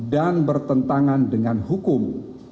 dan bertentangan dengan hukum